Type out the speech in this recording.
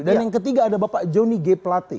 dan yang ketiga ada bapak jonny g pelate